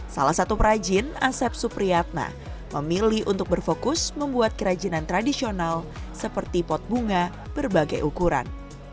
salah satu perajin asep supriyatna memilih untuk berfokus membuat kerajinan tradisional seperti pot bunga berbagai ukuran